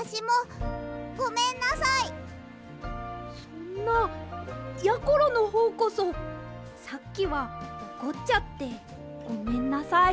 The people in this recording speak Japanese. そんなやころのほうこそさっきはおこっちゃってごめんなさい。